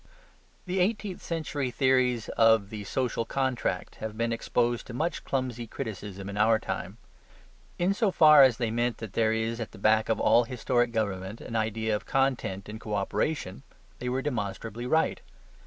The eighteenth century theories of the social contract have been exposed to much clumsy criticism in our time; in so far as they meant that there is at the back of all historic government an idea of content and co operation, they were demonstrably right.